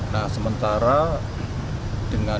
nah sementara dengan